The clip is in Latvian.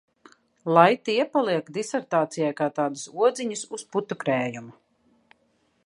Lai tie paliek disertācijai kā tādas odziņas uz putukrējuma.